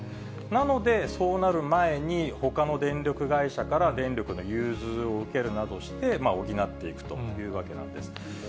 なので、そうなる前に、ほかの電力会社から電力の融通を受けるなどして補っていくというわけなんです。